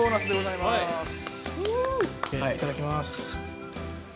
いただきます。